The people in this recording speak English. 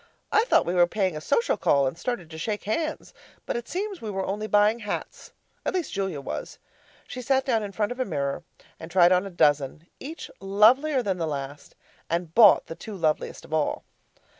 I thought we were paying a social call, and started to shake hands, but it seems we were only buying hats at least Julia was. She sat down in front of a mirror and tried on a dozen, each lovelier than the last, and bought the two loveliest of all.